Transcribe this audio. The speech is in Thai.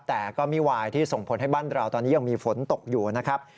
แต่ก็มิวายที่ส่งผลให้บ้านเราตอนนี้ยังมีฝนตกอยู่นะครับ